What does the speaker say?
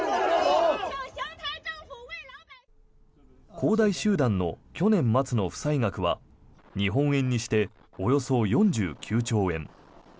恒大集団の去年末の負債額は日本円にしておよそ４９兆円。